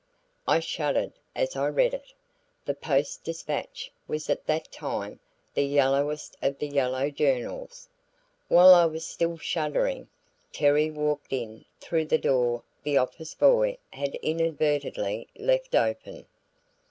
I shuddered as I read it. The Post Dispatch was at that time the yellowest of the yellow journals. While I was still shuddering, Terry walked in through the door the office boy had inadvertently left open.